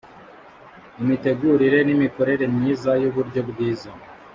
imitegurire n imikorere myiza y uburyo bwiza